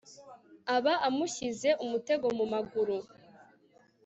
aba amushyize umutego mu maguru